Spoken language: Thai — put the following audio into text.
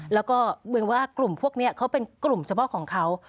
แล้วก็เหมือนว่ากลุ่มพวกนี้เขาเป็นกลุ่มเฉพาะของเขา